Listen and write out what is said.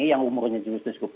yang umurnya justru sekejap